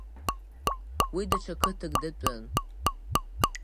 Уи даҽа қыҭак датәын.